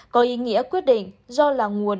có ý nghĩa quyết định do là nguồn